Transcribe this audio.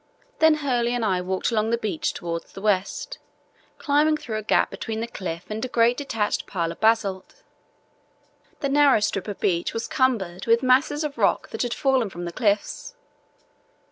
Then Hurley and I walked along the beach towards the west, climbing through a gap between the cliff and a great detached pillar of basalt. The narrow strip of beach was cumbered with masses of rock that had fallen from the cliffs.